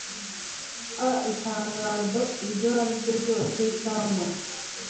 a itangazo iryo ariryo ryose cyangwa